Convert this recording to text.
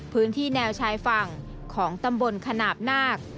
พื้นที่แนวชายฝั่งของตำบลขนาดนาค